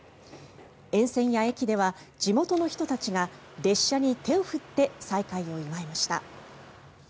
沿線や駅では地元の人たちが列車に手を振って再開を祝いました。